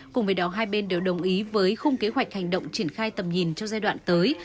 cùng với đó hai bên đều đồng ý với khung kế hoạch hành động triển khai tầm nhìn cho giai đoạn tới